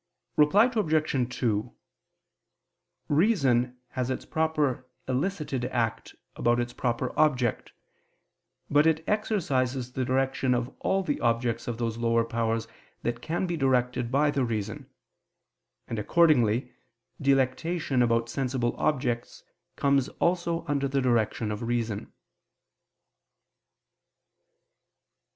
Reply Obj. 2: Reason has its proper elicited act about its proper object; but it exercises the direction of all the objects of those lower powers that can be directed by the reason: and accordingly delectation about sensible objects comes also under the direction of reason.